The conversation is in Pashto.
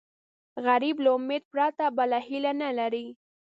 غریب له امید پرته بله هیله نه لري